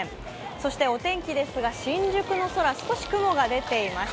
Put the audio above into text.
そしてお天気ですが新宿の空少し雲が出ています。